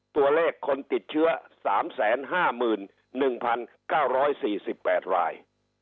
ตัวเลขคนติดเชื้อ๓๕๑๙๔๘ราย